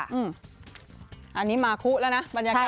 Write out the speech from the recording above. อันนี้มาคุแล้วนะบรรยากาศ